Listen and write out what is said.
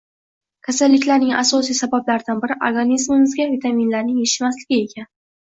Kasalliklarning asosiy sabablaridan biri organizmimizga vitaminlarning yetishmasligi ekan